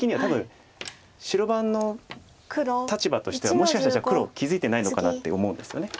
もしかしたらじゃあ黒気付いてないのかなって思うんですよね。